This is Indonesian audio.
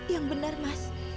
yang benar mas